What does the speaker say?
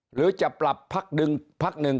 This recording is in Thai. หรือจะปรับพักหนึ่ง